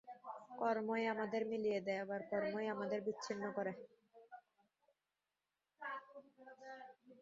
কর্মই আমাদের মিলিয়ে দেয়, আবার কর্মই আমাদের বিচ্ছিন্ন করে।